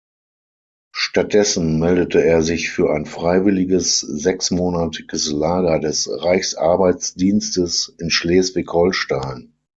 Stattdessen meldete er sich für ein freiwilliges sechsmonatiges Lager des Reichsarbeitsdienstes in Schleswig-Holstein.